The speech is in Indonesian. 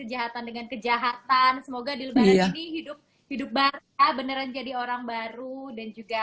kejahatan dengan kejahatan semoga di lebaran ini hidup hidup barca beneran jadi orang baru dan juga